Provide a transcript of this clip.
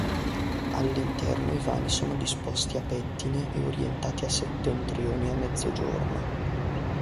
All'interno i vani sono disposti a pettine e orientati a settentrione e a mezzogiorno.